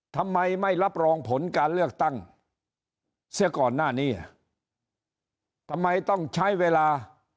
ทำไมไม่รับรองผลการเลือกตั้งเสียก่อนหน้านี้ทำไมต้องใช้เวลา